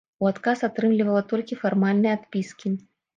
У адказ атрымлівала толькі фармальныя адпіскі.